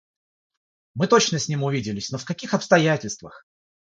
– Мы точно с ним увиделись, но в каких обстоятельствах!..